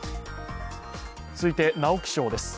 続いて直木賞です。